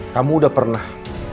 kamu udah pernah